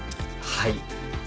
はい。